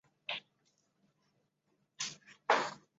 以王甲为首的六百人敢死队摸黑对古晋发动攻击。